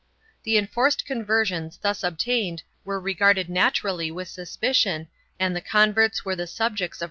The enforced conver sions thus obtained were regarded naturally with suspicion and the converts were the subjects of perpetual animadversion.